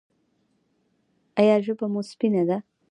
ایا ژبه مو سپینه ده؟